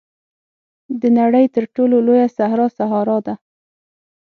د نړۍ تر ټولو لویه صحرا سهارا ده.